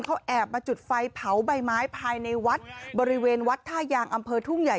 เขาแอบมาจุดไฟเผาใบไม้ภายในวัดบริเวณวัดท่ายางอำเภอทุ่งใหญ่